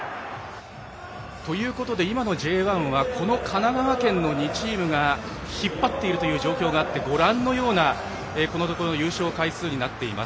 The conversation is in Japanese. ということで、今のＪ１は神奈川県のこの２チームが引っ張っているという状況があって、ご覧のようなこのところの優勝回数になっています。